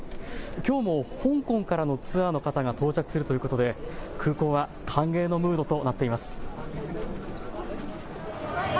きょうも香港からのツアーの方が到着するということで空港は歓迎のムードとなっています。